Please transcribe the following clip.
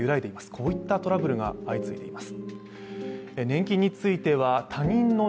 こういったトラブルが相次いでいます。